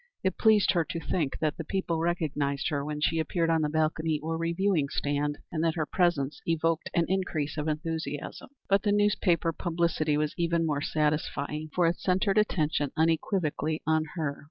It pleased her to think that the people recognized her when she appeared on the balcony or reviewing stand, and that her presence evoked an increase of enthusiasm. But the newspaper publicity was even more satisfying, for it centred attention unequivocally on her.